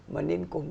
mà nên cùng